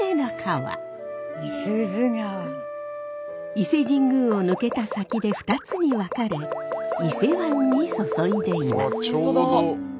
伊勢神宮を抜けた先で二つに分かれ伊勢湾に注いでいます。